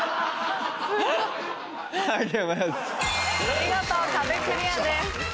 見事壁クリアです。